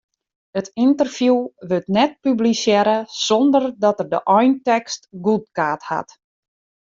It ynterview wurdt net publisearre sonder dat er de eintekst goedkard hat.